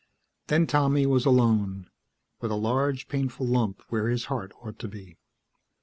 Then Tommy was alone, with a large, painful lump where his heart ought to be.